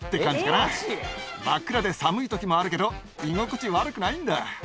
真っ暗で寒い時もあるけど居心地悪くないんだ。